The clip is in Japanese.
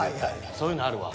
そういうのあるわ。